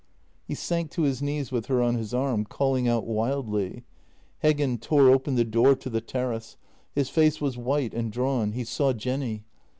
He sank to his knees with her on his arm, calling out wildly. Heggen tore open the door to the terrace. His face was white and drawn. He saw Jenny.